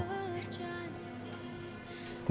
tidak aku tau